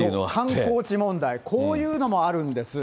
観光地問題、こういうのもあるんです。